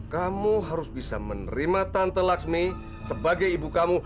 kamu harus bisa menerima tante laksmi sebagai ibu kamu